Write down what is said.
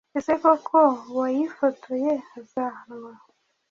Ese koko uwayifotoye azahanwa